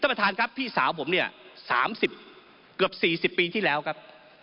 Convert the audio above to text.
ประธานครับพี่สาวผมเนี่ย๓๐เกือบ๔๐ปีที่แล้วครับ